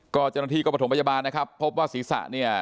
ก็เจ้าหน้าที่ก็ประถมพยาบาลนะครับพบว่าศีรษะเนี่ย